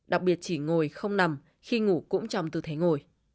đặc biệt chỉ ngồi không nằm khi ngủ cũng trong tư thế ngồi